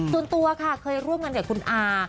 ส่วนตัวค่ะเคยร่วมงานกับคุณอา